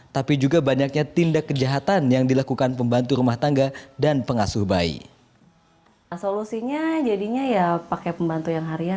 tapi juga banyaknya tindak kejahatan yang dilakukan pembantu rumah tangga dan pengasuh bayi